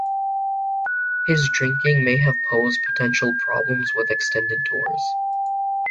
His drinking may have posed potential problems with extended tours.